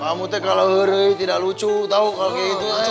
kamu tuh kalau gede tidak lucu tau kalau gitu eh